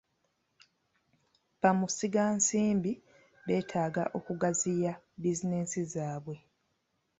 Bamusigansimbi beetaaga okugaziya bizinensi zaabwe.